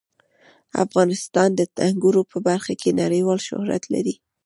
افغانستان د انګورو په برخه کې نړیوال شهرت لري.